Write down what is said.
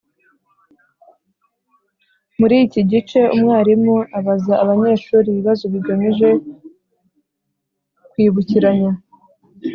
Muri iki gice umwarimu abaza abanyeshuri ibibazo bigamije kwibukiranya